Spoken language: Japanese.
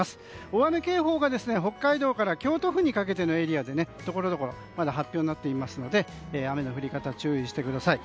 大雨警報が北海道から京都府にかけてのエリアでところどころまだ発表になっていますので雨の降り方、注意してください。